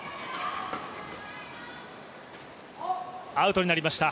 アウトになりました。